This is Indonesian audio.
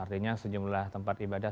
artinya sejumlah tempat ibadah